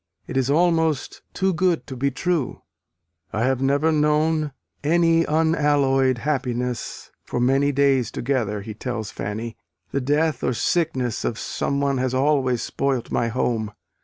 It is almost too good to be true. "I have never known any unalloyed happiness for many days together," he tells Fanny; "the death or sickness of someone has always spoilt my home.